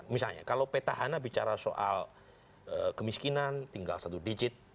misalnya kalau petahana bicara soal kemiskinan tinggal satu digit